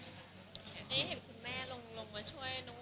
เชื่อนัก